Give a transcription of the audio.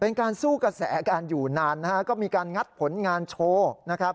เป็นการสู้กระแสการอยู่นานก็มีการงัดผลงานโชว์